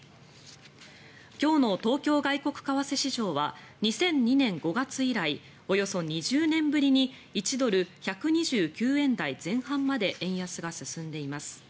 今日の東京外国為替市場は２００２年５月以来およそ２０年ぶりに１ドル＝１２９円台前半まで円安が進んでいます。